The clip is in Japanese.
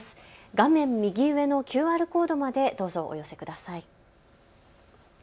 画面右上のＱＲコードまでどうぞお寄せください。